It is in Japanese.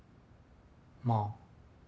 まあ。